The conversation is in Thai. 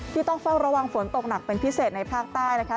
ต้องเฝ้าระวังฝนตกหนักเป็นพิเศษในภาคใต้นะคะ